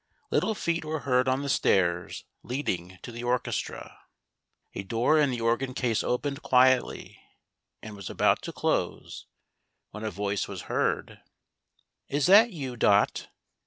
Little feet were heard on the stairs leading to the orchestra. A door in the organ case opened quietly and was about to close, when a voice was heard :" Is that you. Dot